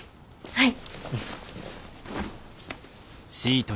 はい。